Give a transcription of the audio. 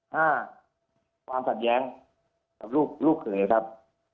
ห้าความขัดแย้งกับลูกลูกเขยครับ